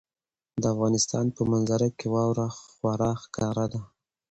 د افغانستان په منظره کې واوره خورا ښکاره ده.